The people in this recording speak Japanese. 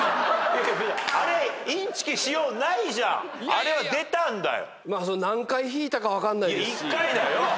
あれは出たんだよ。